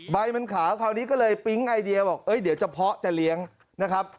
ใบมันขาวคราวนี้ก็เลยปิ๊งไอเดียบอกเดี๋ยวจะเพาะจะเลี้ยงนะครับ